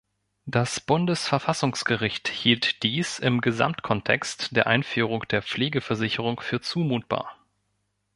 Das Bundesverfassungsgericht hielt dies im Gesamtkontext der Einführung der Pflegeversicherung für zumutbar.